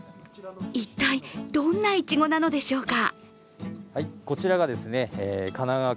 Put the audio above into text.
一体、どんないちごなのでしょうかかな